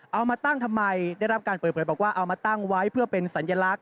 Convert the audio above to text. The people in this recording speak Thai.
เอามาตั้งทำไมได้รับการเปิดเผยบอกว่าเอามาตั้งไว้เพื่อเป็นสัญลักษณ